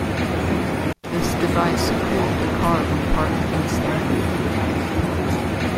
This device cooled the car when parked in sunlight.